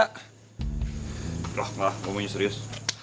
nggak lah gue mau nyusirius